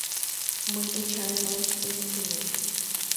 Мый Эчанын ойжо дене кӧнем.